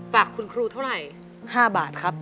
ฝากคุณครูเท่าไหร่๕บาทครับ